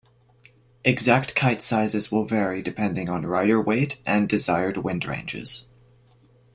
Exact kite sizes will vary depending on rider weight and desired wind ranges.